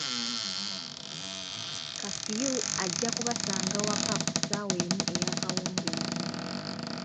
Kafiyu ajja kubasanga waka ku ssaawa emu eyaakawungeezi.